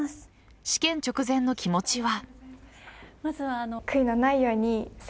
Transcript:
試験直前の気持ちは。